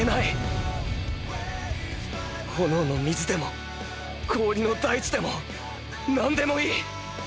炎の水でも氷の大地でも何でもいい。